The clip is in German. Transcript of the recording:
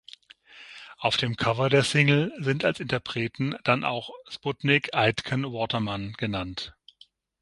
Auf dem Cover der Single sind als Interpreten dann auch „Sputnik Aitken Waterman“ genannt.